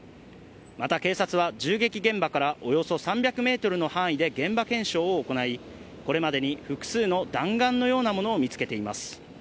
また、警察は銃撃現場からおよそ３００ｍの範囲で現場検証を行いこれまでに複数の弾丸のようなものを見つけています。